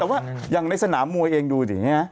แต่ว่าย่างในสนามมวยเองดูอย่างนี้นะ